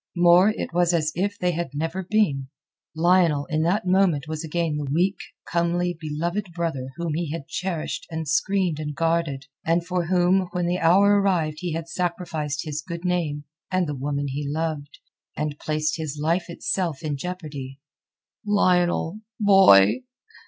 More, it was as if they had never been. Lionel in that moment was again the weak, comely, beloved brother whom he had cherished and screened and guarded, and for whom when the hour arrived he had sacrificed his good name, and the woman he loved, and placed his life itself in jeopardy. "Lionel, boy!"